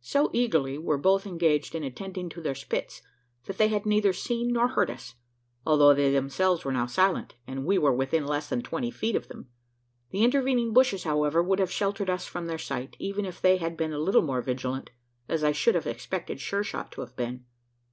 So eagerly were both engaged in attending to their spits, that they had neither seen nor heard us although they themselves were now silent, and we were within less than twenty feet of them. The intervening bushes, however would have sheltered us from their sight, even if they had been a little more vigilant as I should have expected Sure shot to have been.